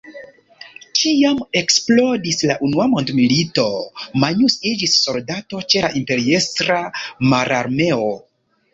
Kiam eksplodis la Unua mondmilito Magnus iĝis soldato ĉe la Imperiestra mararmeo.